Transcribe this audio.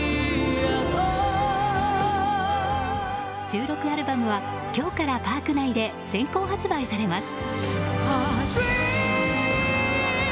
収録アルバムは今日からパーク内で先行発売されます。